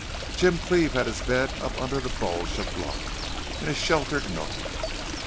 Jim Cleve had his bed up under the bulge of bluff, in a sheltered nook.